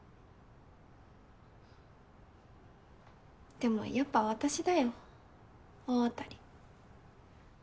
でもやっぱ私だよ大当たり。